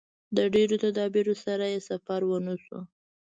د ډېرو تدابیرو سره یې سفر ونشو.